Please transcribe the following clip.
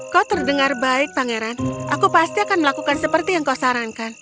kau terdengar baik pangeran aku pasti akan melakukan seperti yang kau sarankan